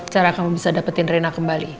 cara kamu bisa dapetin rena kembali